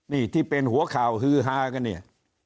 นี่ที่เป็นหัวข่าวฮือฮากันเนี่ย